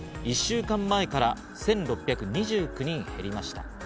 １週間前から１６２９人に減りました。